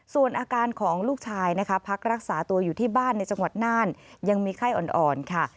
ส่วนอาการของลูกชายนะคะพักรักษาตัวอยู่ที่บ้านในจังหวัดน่านยังมีไข้อ่อนค่ะ